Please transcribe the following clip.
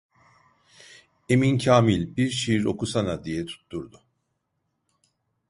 "Emin Kâmil, bir şiir okusana" diye tutturdu.